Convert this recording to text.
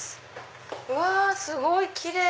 うわすごいキレイ！